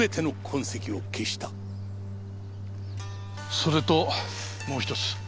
それともう一つ。